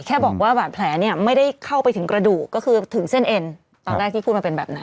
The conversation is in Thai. แค่บอกว่าบาดแผลเนี่ยไม่ได้เข้าไปถึงกระดูกก็คือถึงเส้นเอ็นตอนแรกที่พูดมาเป็นแบบนั้น